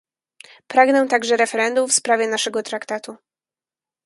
Pragnę także referendum w sprawie naszego traktatu